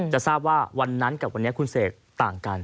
จะทราบว่าวันนั้นกับวันนี้คุณเสกต่างกัน